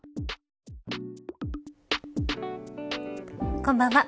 こんばんは。